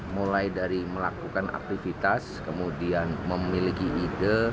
mulai dari melakukan aktivitas kemudian memiliki ide